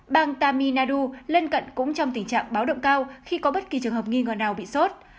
bang tamil nadu lên cận cũng trong tình trạng báo động cao khi có bất kỳ trường hợp nghi ngờ nào bị sốt